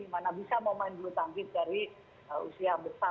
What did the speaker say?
mana bisa mau main bulu tangkis dari usia besar